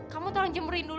kamu tolong jemurin dulu ya